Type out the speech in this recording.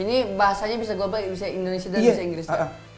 ini bahasanya bisa gobel bisa indonesia dan bisa inggris